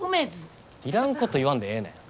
いらんこと言わんでええねん。